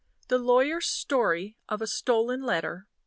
THE LAWYER'S STORY OF A STOLEN LETTER.